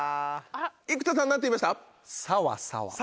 生田さん何て言いました？